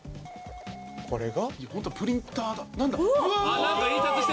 これがホントプリンターだ何だ！？